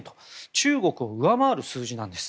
中国を上回る数字なんです。